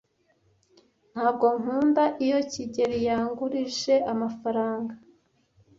Ntabwo nkunda iyo kigeli yangurije amafaranga.